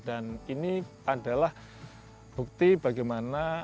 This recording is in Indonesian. dan ini adalah bukti bagaimana